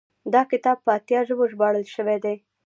دا کتاب په اتیا ژبو ژباړل شوی دی.